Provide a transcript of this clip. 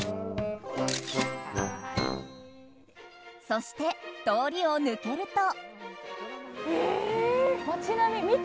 そして、通りを抜けると。